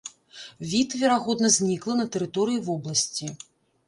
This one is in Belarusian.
Від, верагодна зніклы на тэрыторыі вобласці.